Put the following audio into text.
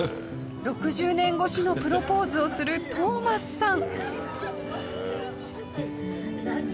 ６０年越しのプロポーズをするトーマスさん。